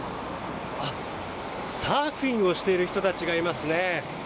サーフィンをしている人たちがいますね。